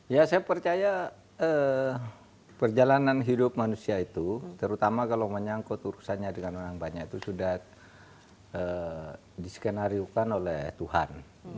ya saya percaya perjalanan hidup manusia itu terutama kalau menyangkut urusannya dengan orang banyak itu sudah diskenariokan oleh tuhan